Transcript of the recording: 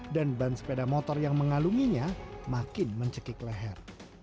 dan ban sepeda motor yang mengalunginya makin mencekik leher